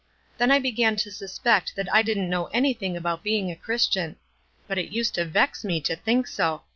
Then I began to suspect that I didn't know anything about being a Chris tian ; but it used to vex me to think so.